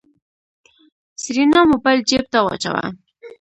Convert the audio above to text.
سېرېنا موبايل جېب ته واچوه.